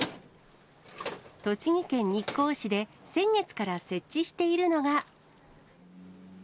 栃木県日光市で先月から設置しているのが。